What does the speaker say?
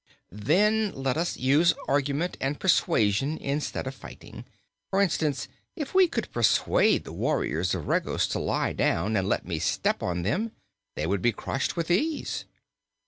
"Then let us use argument and persuasion instead of fighting. For instance, if we could persuade the warriors of Regos to lie down, and let me step on them, they would be crushed with ease."